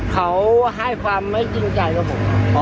เขาให้ความไม่จริงใจกับผม